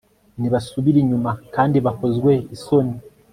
nibasubire inyuma, kandi bakozwe isoni